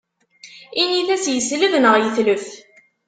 Init-as yesleb neɣ yetlef.